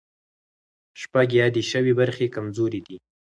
شپږ یادې شوې برخې کمزوري دي.